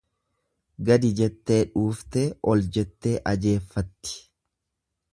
Gadi jettee dhuuftee ol jettee ajeeffatti.